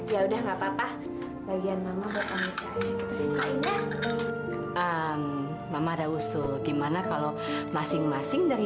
ya udah sini mak